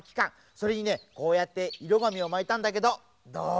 それにねこうやっていろがみをまいたんだけどどう？